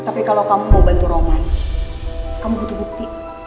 tapi kalau kamu mau bantu roman kamu butuh bukti